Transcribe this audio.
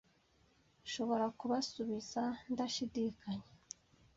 nshobora kubasubiza ndashidikanya